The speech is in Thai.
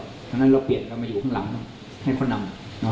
เพราะฉะนั้นเราเปลี่ยนกันมาอยู่ข้างหลังให้เขานำ